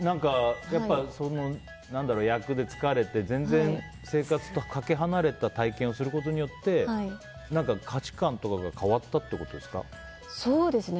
役で疲れて、全然生活とかけ離れた体験をすることによって価値観とかがそうですね。